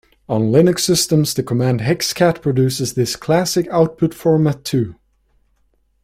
On Linux systems, the command hexcat produces this classic output format too.